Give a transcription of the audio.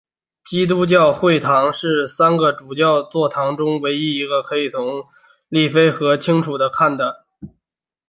基督教会座堂是的三个主教座堂中唯一一个可以从利菲河清楚地看到的。